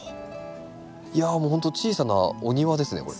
いやもうほんと小さなお庭ですねこれ。